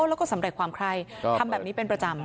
แล้วก็สำเร็จความไคร้ทำแบบนี้เป็นประจำ